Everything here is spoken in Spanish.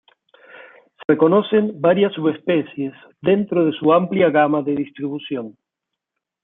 Se reconocen varias subespecies dentro de su amplia gama de distribución.